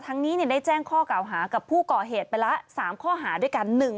นี้ได้แจ้งข้อกล่าวหากับผู้ก่อเหตุไปละ๓ข้อหาด้วยกัน